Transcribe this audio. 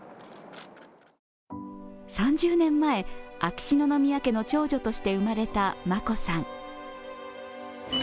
３０年前、秋篠宮家の長女として生まれた眞子さん。